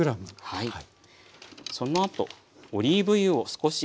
はい。